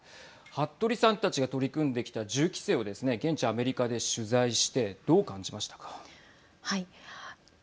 服部さんたちが取り組んできた銃規制を現地アメリカで取材してどう感じましたか。